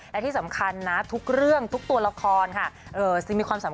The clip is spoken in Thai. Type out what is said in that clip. และที่สำคัญนะทุกเรื่องทุกตัวละครค่ะ